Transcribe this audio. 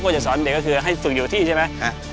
จะสอนเด็กก็คือให้ฝึกอยู่ที่ใช่ไหม